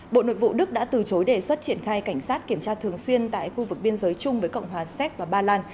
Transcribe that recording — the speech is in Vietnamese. bộ nội vụ đức đã từ chối đề xuất triển khai cảnh sát kiểm tra thường xuyên tại khu vực biên giới chung với cộng hòa séc và ba lan